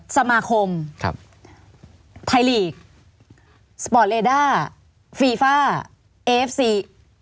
สมาคมครับไทยลีกสปอร์ตเลด้าฟีฟ่าเอฟซี